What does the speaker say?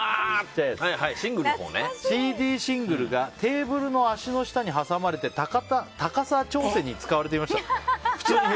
シングルがテーブルの足の下に挟まれて高さ調整に使われていました。